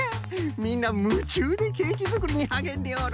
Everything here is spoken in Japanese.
みんなむちゅうでケーキづくりにはげんでおる。